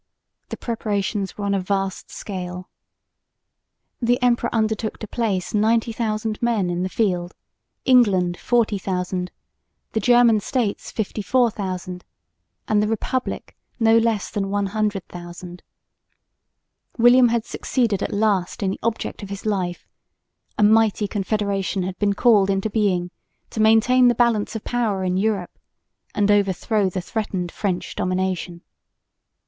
The preparations were on a vast scale. The emperor undertook to place 90,000 men in the field; England, 40,000; the German states, 54,000; and the Republic no less than 100,000. William had succeeded at last in the object of his life; a mighty confederation had been called into being to maintain the balance of power in Europe, and overthrow the threatened French domination.